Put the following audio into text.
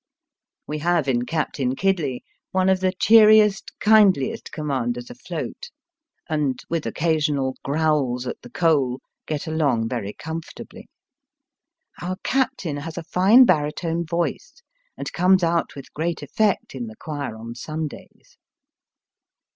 We have in Captain Kidley one of the cheeriest, kindliest commanders afloat, and, with occasional growls at the coal, Digitized by VjOOQIC THE HEATHEN CHINEE. 169 get along very comfortably. Our captain has a fine baritone voice, and comes out with great effect in the choir on Sundays.